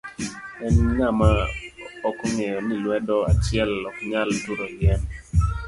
En ng'ama ok ong'eyo ni lwedo achiel ok nyal turo yien?